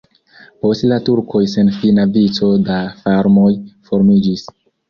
Post la turkoj senfina vico da farmoj formiĝis.